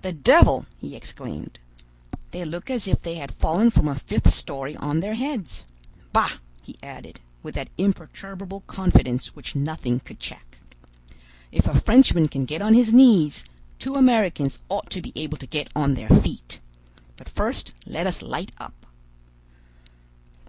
"The devil!" he exclaimed. "They look as if they had fallen from a fifth story on their heads. Bah!" he added, with that imperturbable confidence which nothing could check, "if a Frenchman can get on his knees, two Americans ought to be able to get on their feet. But first let us light up."